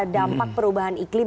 dampak perubahan iklim